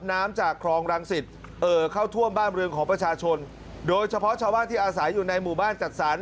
น้ำจากครองรังสิตเอ่อเข้าท่วมบ้านเรือนของประชาชนโดยเฉพาะชาวบ้านที่อาศัยอยู่ในหมู่บ้านจัดสรร